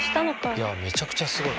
いやめちゃくちゃすごい。